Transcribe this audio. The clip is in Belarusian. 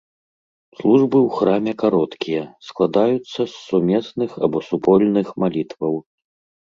Службы ў храме кароткія, складаюцца з сумесных або супольных малітваў.